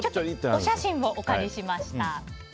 お写真をお借りしました。